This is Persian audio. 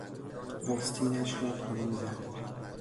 آستینش را پایین زد.